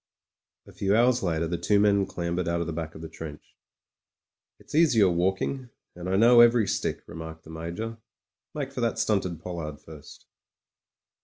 A few hours later the two men clambered out of the back of the trench. "It's easier walking, and I know every stick," remarked the Major. "Make for that stunted pollard first."